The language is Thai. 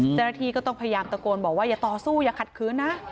เจ้าหน้าที่ก็ต้องพยายามตะโกนบอกว่าอย่าต่อสู้อย่าขัดคืนนะ